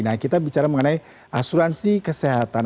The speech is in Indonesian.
nah kita bicara mengenai asuransi kesehatan